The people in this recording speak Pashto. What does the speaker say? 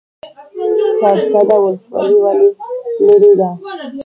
چهارسده ولسوالۍ ولې لیرې ده؟